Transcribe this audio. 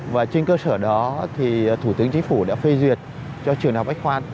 và trên cơ sở đó thì thủ tướng chính phủ đã phê duyệt cho trường học bách khoa